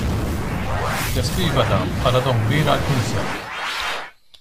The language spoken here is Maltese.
Iddeskriva dan bħala don kbir għall-Knisja.